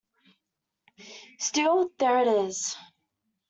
Still, there it is.